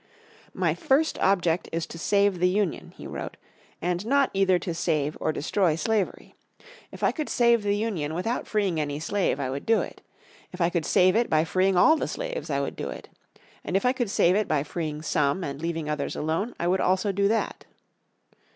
"My first object is to save the Union," he wrote, "and not either to save or destroy slavery. If I could save the Union without freeing any slaves I would do it. If I could save it by freeing all the slaves I would do it. And if I could save it by freeing some, and leaving others alone I would also do that."